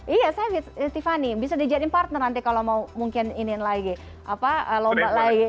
iya saya tiffany bisa dijadiin partner nanti kalau mau mungkin iniin lagi lomba lagi